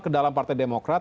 ke dalam partai demokrat